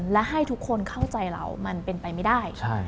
และให้ทุกคนเข้าใจเรามันเป็นไปไม่ได้